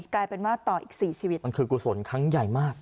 กลายเป็นว่าต่ออีก๔ชีวิตมันคือกุศลครั้งใหญ่มาก